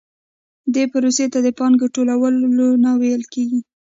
دې پروسې ته د پانګې ټولونه ویل کېږي